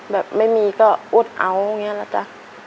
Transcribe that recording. แบบไม่มีก็อุดเอาอย่างนี้นะจ๊ะ